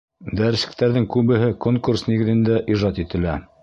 Дәреслектәрҙең күбеһе конкурс нигеҙендә ижад ителә.